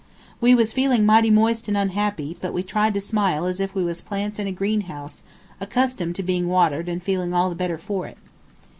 We was feeling mighty moist and unhappy, but we tried to smile as if we was plants in a greenhouse, accustomed to being watered and feeling all the better for it.